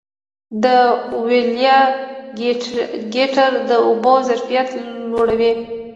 د ویالي کټېر د اوبو ظرفیت لوړوي.